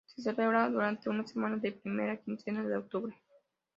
Se celebra durante una semana de la primera quincena de Octubre.